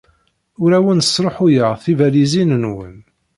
Ur awen-sṛuḥuyeɣ tibalizin-nwen.